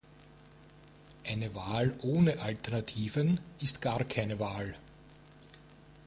Eine Wahl ohne Alternativen ist gar keine Wahl.